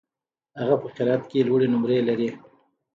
هغه په قرائت کي لوړي نمرې لري.